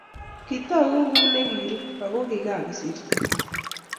kotogu Kuni kiruu, ago kigagosirtoo